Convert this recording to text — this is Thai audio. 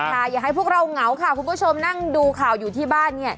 อย่าให้พวกเราเหงาค่ะคุณผู้ชมนั่งดูข่าวอยู่ที่บ้านเนี่ย